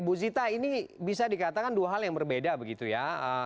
bu zita ini bisa dikatakan dua hal yang berbeda begitu ya